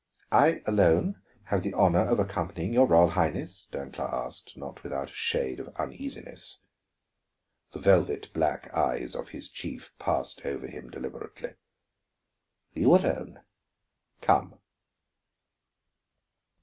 "I alone have the honor of accompanying your Royal Highness?" Dancla asked, not without a shade of uneasiness. The velvet black eyes of his chief passed over him deliberately. "You alone; come."